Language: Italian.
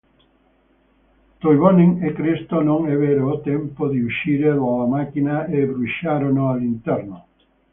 Toivonen e Cresto non ebbero tempo di uscire dalla macchina e bruciarono all'interno.